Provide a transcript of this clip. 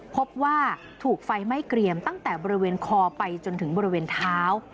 พบว่าถูกไฟไหม้เกรียมตั้งแต่บริเวณคอไปจนถึงบริเวณเท้า